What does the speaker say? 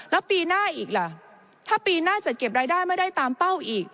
แล้วปีหน้าอีกล่ะถ้าปีหน้าจะเก็บรายได้ไม่ได้ตามเป้าอีก